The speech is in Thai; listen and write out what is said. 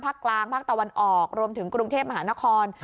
กลางภาคตะวันออกรวมถึงกรุงเทพมหานคร